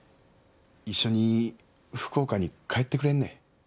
一緒に福岡に帰ってくれんね？